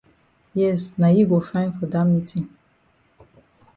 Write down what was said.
Yes na yi go fine for dat meetin.